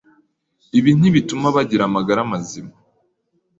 Ibi ntibituma bagira amagara mazima.